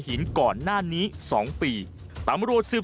มันกลับมาแล้ว